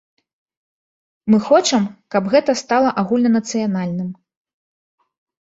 Мы хочам, каб гэта стала агульнанацыянальным.